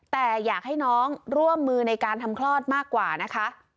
แต่อยากให้น้องร่วมมือในการทำคลอดมากกว่านะคะ